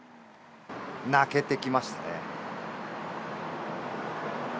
泣けてきましたね。